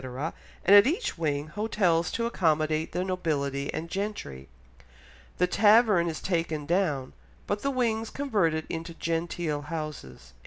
and at each wing, hotels to accommodate the nobility and gentry. The tavern is taken down, but the wings converted into genteel houses."